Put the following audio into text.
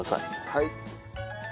はい。